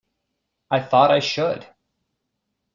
I thought I should.